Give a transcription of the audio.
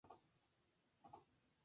Por otro lado, solo hubo una condena.